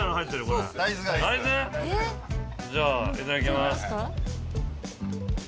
大豆？じゃあいただきます。